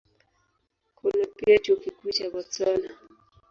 Kuna pia Chuo Kikuu cha Botswana.